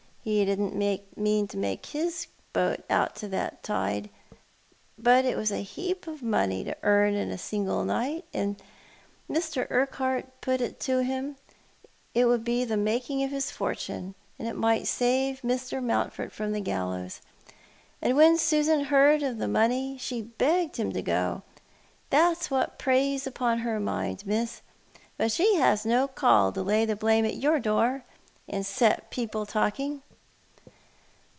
He didn't mean to take his boat out that tide, but it was a heap of money to earn in a single night, and Mr. Urquhart put it to him — it would be the making of his fortune, and it might save Mr. Moimtford from the gallows. And when Susan heard of the money, she begged him to go — that's what preys uDon her mind. Miss; but she has no call to lay the blame at your door, and set people talking."